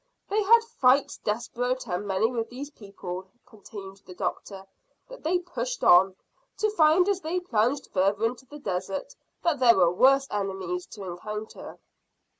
"They had fights desperate and many with these people," continued the doctor, "but they pushed on, to find as they plunged further into the desert that there were worse enemies to encounter."